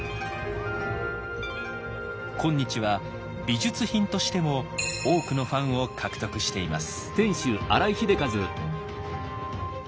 今日は「美術品」としても多くのファンを獲得しています。